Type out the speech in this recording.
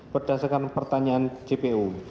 berdasarkan pertanyaan gpu